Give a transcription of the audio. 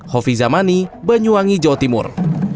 hovi zamani banyuwangi jawa timur